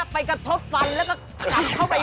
ไปกระทบฟันแล้วก็กัดเข้าไป